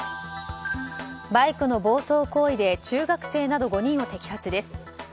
バイクの暴走行為で中学生など５人を摘発です。